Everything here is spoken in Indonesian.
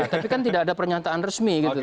tapi kan tidak ada pernyataan resmi gitu ya